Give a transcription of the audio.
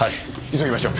急ぎましょう。